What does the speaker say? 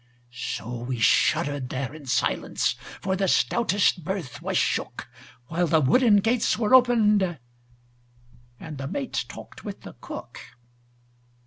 So we shuddered there in silence, For the stoutest berth was shook, While the wooden gates were opened And the mate talked with the cook.